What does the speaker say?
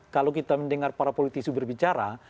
kalau kita mendengar para politisi berbicara